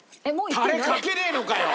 タレかけねえのかよ！